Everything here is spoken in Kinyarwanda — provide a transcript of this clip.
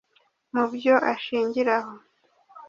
Mu byo ashingiraho